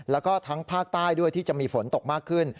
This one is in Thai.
แล้วก็ทั้งภาคใต้ด้วยที่จะมีฝนตกมากขึ้น